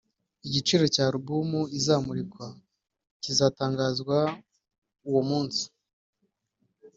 Igiciro cya album izamurikwa kizatangazwa uwo munsi